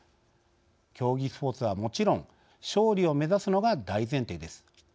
競技スポーツは、もちろん勝利を目指すのが大前提です。